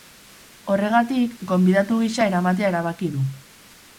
Horregatik, gonbidatu gisa eramatea erabaki du.